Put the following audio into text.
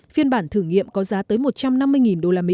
phiên bản thử nghiệm có giá tới một trăm linh đồng